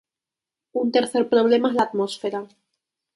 Un tercer problema es la atmósfera.